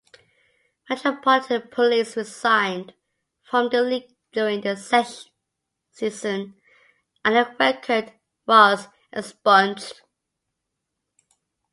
Metropolitan Police resigned from the league during the season and their record was expunged.